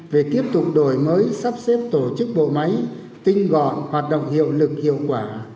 về tiếp tục đổi mới sắp xếp tổ chức bộ máy tinh gọn hoạt động hiệu lực hiệu quả